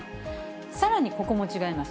さらに、ここも違います。